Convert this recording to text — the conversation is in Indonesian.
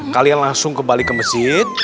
kalian langsung kembali ke masjid